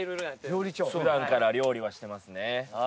普段から料理はしてますね。